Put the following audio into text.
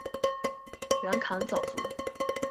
袁侃早卒。